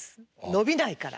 伸びないから。